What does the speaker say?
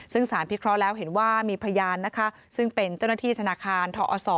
ซึ่งสารพิเคราะห์แล้วเห็นว่ามีพยานนะคะซึ่งเป็นเจ้าหน้าที่ธนาคารทอศ